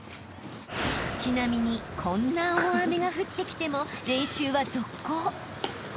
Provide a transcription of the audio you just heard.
［ちなみにこんな大雨が降ってきても練習は続行］